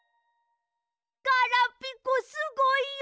ガラピコすごいよ！